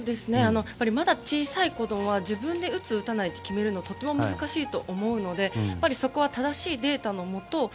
まだ小さい子供は自分で打つ、打たないを決めるのがとても難しいと思うのでそこは正しいデータのもと